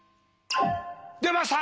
出ました。